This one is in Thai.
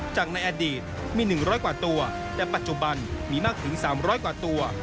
จากในอดีตมี๑๐๐กว่าตัวแต่ปัจจุบันมีมากถึง๓๐๐กว่าตัว